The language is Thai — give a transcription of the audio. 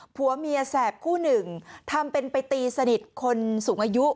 ผัวเมียแสบคู่หนึ่งทำเป็นไปตีสนิทคนสูงอายุ